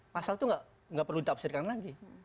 pasal itu nggak perlu ditafsirkan lagi